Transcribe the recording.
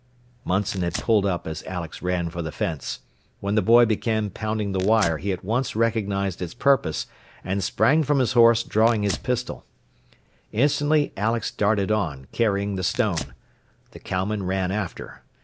_" Munson had pulled up as Alex ran for the fence. When the boy began pounding the wire he at once recognized its purpose, and sprang from his horse, drawing his pistol. Instantly Alex darted on, carrying the stone. The cowman ran after.